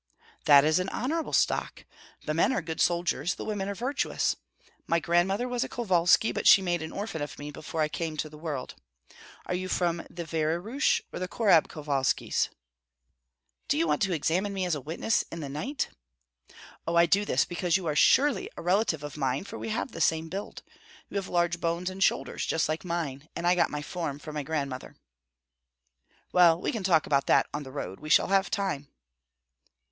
"That is an honorable stock! The men are good soldiers, the women are virtuous. My grandmother was a Kovalski, but she made an orphan of me before I came to the world. Are you from the Vyerush, or the Korab Kovalskis?" "Do you want to examine me as a witness, in the night?" "Oh, I do this because you are surely a relative of mine, for we have the same build. You have large bones and shoulders, just like mine, and I got my form from my grandmother." "Well, we can talk about that on the road. We shall have time!"